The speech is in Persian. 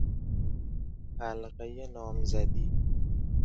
حلقهی نامزدی